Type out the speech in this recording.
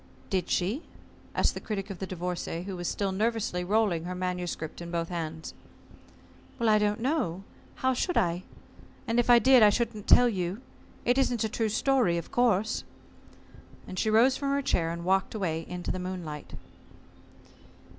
"Did she?" asked the Critic of the Divorcée, who was still nervously rolling her manuscript in both hands. "I don't know. How should I? And if I did I shouldn't tell you. It isn't a true story, of course." And she rose from her chair and walked away into the moonlight.